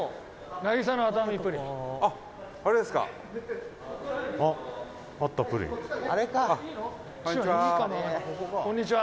伊達：こんにちは。